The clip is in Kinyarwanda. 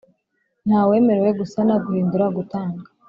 Nta wemerewe gusana guhindura gutanga